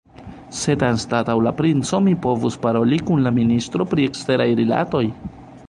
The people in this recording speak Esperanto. Sed anstataŭ la princo, mi povus paroli kun la ministro pri eksteraj rilatoj.